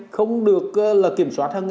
không được kiểm soát